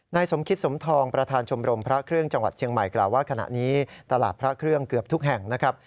สมคิตสมทองประธานชมรมพระเครื่องจังหวัดเชียงใหม่กล่าวว่าขณะนี้ตลาดพระเครื่องเกือบทุกแห่งนะครับ